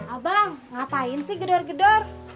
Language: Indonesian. abang ngapain sih gedor gedor